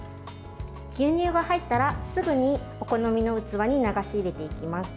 牛乳が入ったらすぐにお好みの器に流し入れていきます。